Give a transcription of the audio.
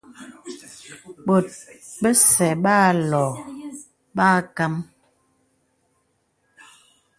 Bòt bəsɛ̄ bə âlɔ bə âkam.